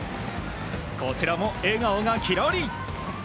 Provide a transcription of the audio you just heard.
こちらも笑顔がきらり！